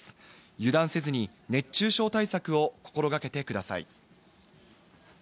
油断せずに熱中症対策を心掛けてください。